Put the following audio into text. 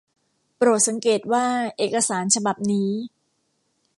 โปรดสังเกตว่าเอกสารฉบับนี้